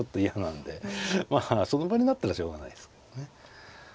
まあその場になったらしょうがないですけどね。